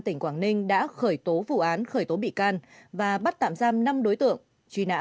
tên là khánh